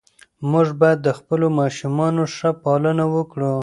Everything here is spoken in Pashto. موږ باید د خپلو ماشومانو ښه پالنه وکړو.